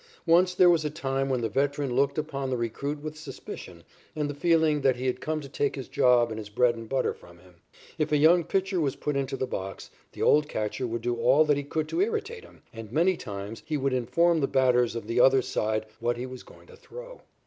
Once there was a time when the veteran looked upon the recruit with suspicion and the feeling that he had come to take his job and his bread and butter from him. If a young pitcher was put into the box, the old catcher would do all that he could to irritate him, and many times he would inform the batters of the other side what he was going to throw.